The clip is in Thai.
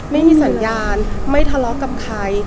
ไม่มีสัญญาณไม่ทะเลาะกับใคร